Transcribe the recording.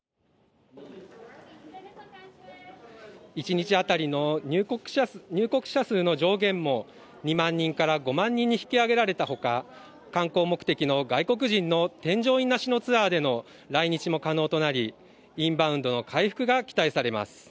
１日あたりの入国者数の上限も２万人から５万人に引き上げられたほか観光目的の外国人の添乗員なしのツアーでの来日も可能となりインバウンドの回復が期待されます